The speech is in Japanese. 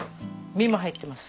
身も入ってます。